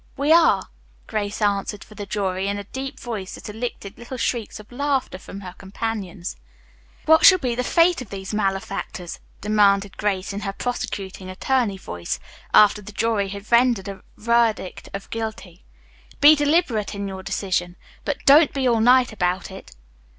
"We are," Grace answered for the jury in a deep voice that elicited little shrieks of laughter from her companions. "What shall be the fate of these malefactors?" demanded Grace in her prosecuting attorney voice, after the jury had rendered a verdict of guilty. "Be deliberate in your decision, but don't be all night about it."